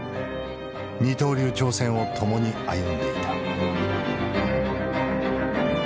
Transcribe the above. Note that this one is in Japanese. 二刀流挑戦を共に歩んでいた。